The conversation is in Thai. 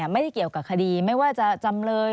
ไม่ได้เกี่ยวกับคดีไม่ว่าจะจำเลย